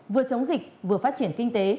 vừa chống dịch vừa phát triển kinh tế